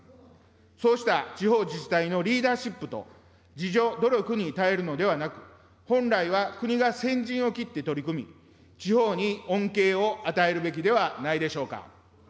そうした地方自治体のリーダーシップと、自助努力に頼るのではなく、本来は国が先陣を切って取り組み、地方に恩恵を与えるべきではないでしょうか。